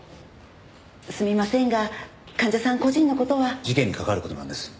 すみませんが患者さん個人の事は。事件に関わる事なんです。